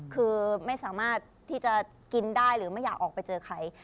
คือไม่สามารถที่จะกินได้หรือไม่อยากออกไปเจอใคร